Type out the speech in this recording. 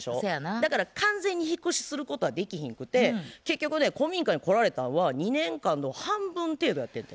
だから完全に引っ越しすることはできひんくて結局ね古民家に来られたんは２年間の半分程度やってんて。